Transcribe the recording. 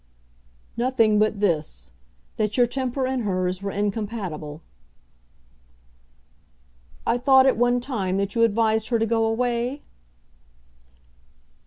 "Nothing but this, that your temper and hers were incompatible." "I thought at one time that you advised her to go away?"